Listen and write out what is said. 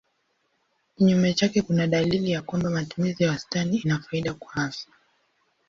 Kinyume chake kuna dalili ya kwamba matumizi ya wastani ina faida kwa afya.